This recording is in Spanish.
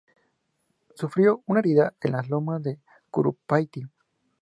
Sufrió una herida en las lomas de Curupaytí.